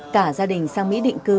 cả gia đình sang mỹ định cư